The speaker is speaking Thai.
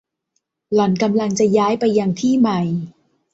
หล่อนกำลังจะย้ายไปยังที่ใหม่